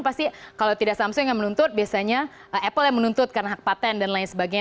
pasti kalau tidak samsung yang menuntut biasanya apple yang menuntut karena hak patent dan lain sebagainya